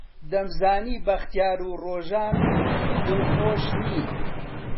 دەمزانی بەختیار و ڕۆژان دڵخۆش نین.